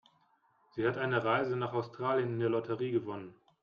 Sie hat eine Reise nach Australien in der Lotterie gewonnen.